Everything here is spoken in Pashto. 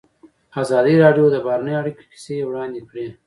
ازادي راډیو د بهرنۍ اړیکې کیسې وړاندې کړي.